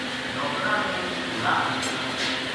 نوکراں نے گھوڑا آنیا